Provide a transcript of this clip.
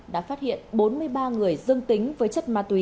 đã phát hiện bốn mươi ba người dương tính với chất ma túy